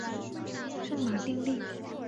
圣马丁利。